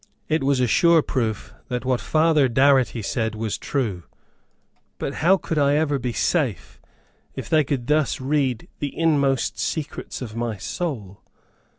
It was a sure proof that what Father Darity said was true. But how could I ever be safe, if they could thus read the inmost secrets of my soul?